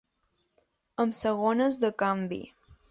Amb segones de canvi.